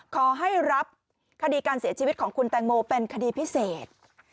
ขอให้รับคดีการเสียชีวิตของคุณแตงโมเป็นคดีพิเศษ